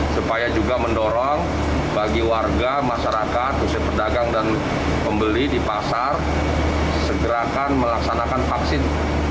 supaya juga mendorong bagi warga masyarakat khususnya pedagang dan pembeli di pasar segerakan melaksanakan vaksin